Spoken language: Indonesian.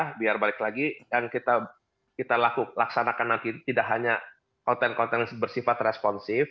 nah biar balik lagi yang kita laksanakan nanti tidak hanya konten konten yang bersifat responsif